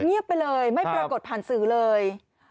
เงียบไปเลยไม่ปรากฏผ่านสื่อเลย